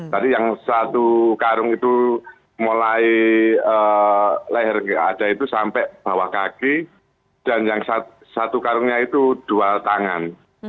tadi yang satu karung itu mulai leher nggak ada itu sampai bawah kaki dan yang satu karungnya itu dua tangan